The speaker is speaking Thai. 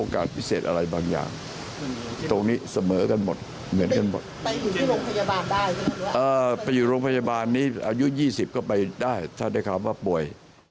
กับป่วย